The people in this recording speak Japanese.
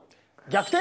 逆転！